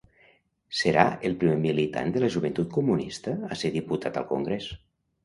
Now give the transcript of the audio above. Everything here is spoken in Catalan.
Serà el primer militant de la Joventut Comunista a ser diputat al Congrés.